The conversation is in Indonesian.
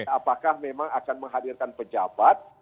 apakah memang akan menghadirkan pejabat